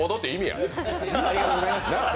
ありがとうございます。